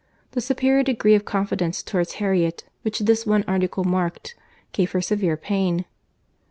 The superior degree of confidence towards Harriet, which this one article marked, gave her severe pain.